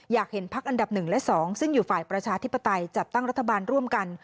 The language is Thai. อยากเห็นพักอันดับ๑และ๒ซึ่งอยู่ฝ่ายประชาธิปไตยจัดตั้งรัฐบาลร่วมกัน